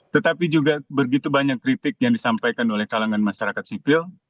tetapi juga begitu banyak kritik yang disampaikan oleh kalangan masyarakat sipil